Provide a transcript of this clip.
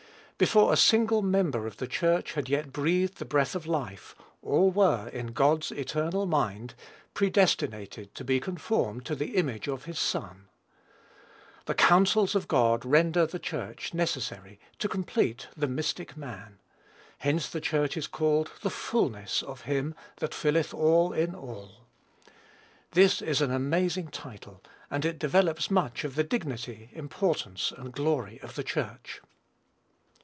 Before a single member of the Church had yet breathed the breath of life, all were, in God's eternal mind, predestinated to be conformed to the "image of his Son." The counsels of God render the Church necessary to complete the mystic man. Hence the Church is called "the fulness ([Greek: plêrôma]) of him that filleth all in all." This is an amazing title, and it develops much of the dignity, importance, and glory of the Church.